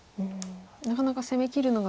なかなか攻めきるのが。